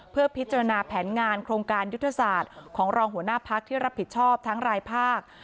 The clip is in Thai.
เพื่อพิจารณาแผนงานโครงการยุทธศาสตร์ของรองหัวหน้าพักที่รับผิดชอบทั้งรายภาค